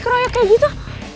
karena kamu bukan orang itu